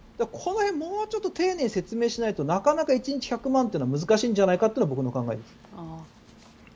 この辺、もうちょっと丁寧に説明しないとなかなか１日１００万というのは難しいんじゃないかというのが僕の考えです。